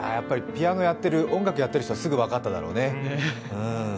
ピアノやってる、音楽やってる人はすぐ分かっただろうね。